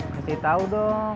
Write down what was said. kasih tau dong